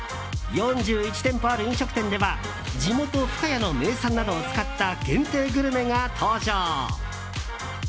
４１店舗ある飲食店では地元・深谷の名産などを使った限定グルメが登場。